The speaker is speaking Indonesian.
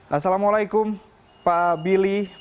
assalamualaikum pak billy